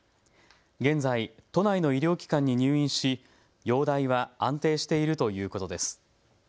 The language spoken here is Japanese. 現在、都内の医療機関に入院し容体は安定しているということです。